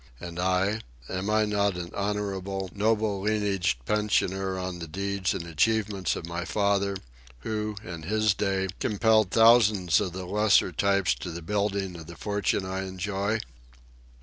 And I? Am I not an honourable, noble lineaged pensioner on the deeds and achievements of my father, who, in his day, compelled thousands of the lesser types to the building of the fortune I enjoy?